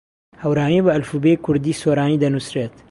هەورامی بە ئەلفوبێی کوردیی سۆرانی دەنووسرێت.